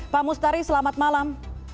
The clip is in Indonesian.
pak mustari selamat malam